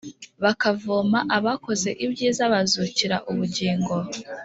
Bakavamo, abakoze ibyiza bazukira ubugingo,